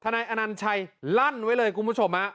นายอนัญชัยลั่นไว้เลยคุณผู้ชม